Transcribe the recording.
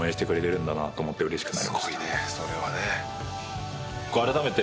「すごいねそれはね」